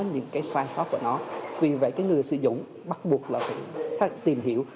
những cái sai sót của nó vì vậy cái người sử dụng bắt buộc là phải tìm hiểu